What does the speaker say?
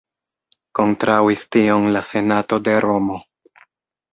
Kontraŭis tion la senato de Romo.